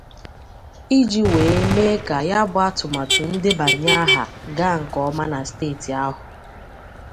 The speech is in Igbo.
iji wee mee ka ya bụ atụmatụ ndebànye ahà gaa nke ọma na steeti ahụ